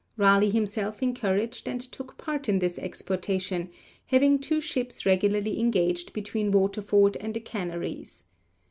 Raleigh himself encouraged and took part in this exportation, having two ships regularly engaged between Waterford and the Canaries.